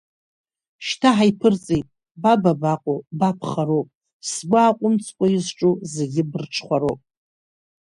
Шьҭа ҳаиԥырҵит, ба бабаҟоу, ба бхароуп, сгәы ааҟәымҵкәа изҿу зегьы бырҽхәароуп…